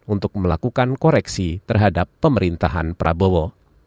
untuk melakukan koreksi terhadap pemerintahan prabowo